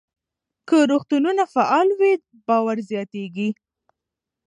که روغتونونه فعال وي، باور زیاتېږي.